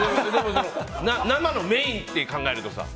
生のメインって考えるとさ。